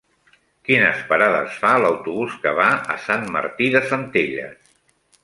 Quines parades fa l'autobús que va a Sant Martí de Centelles?